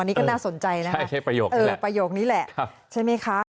อันนี้ก็น่าสนใจนะครับใช่ประโยคนี้แหละ